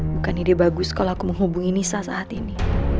bukan ide bagus kalau aku menghubungi nisa saat ini